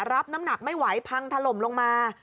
รับน้ำหนักไม่ไหวพังถล่มลงมา